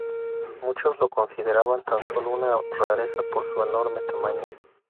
Muchos lo consideraban tan solo una rareza por su enorme tamaño.